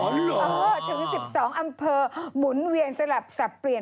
ถึง๑๒อำเภอหมุนเวียนสลับสับเปลี่ยน